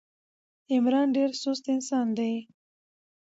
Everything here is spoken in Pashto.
عمران ډېر سوست انسان ده.